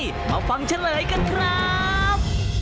มาฟังเฉลยกันครับ